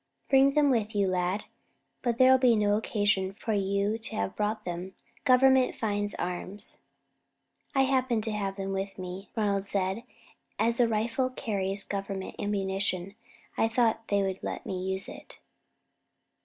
"Bring them with you, lad; but there was no occasion for you to have brought them. Government finds arms." "I happened to have them with me," Ronald said, "and as the rifle carries Government ammunition, I thought they would let me use it."